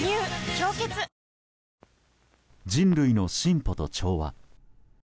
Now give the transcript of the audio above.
「氷結」「人類の進歩と調和」。